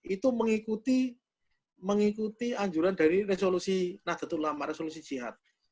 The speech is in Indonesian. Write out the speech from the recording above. itu mengikuti anjuran dari resolusi nahdlatul ulama resolusi jihad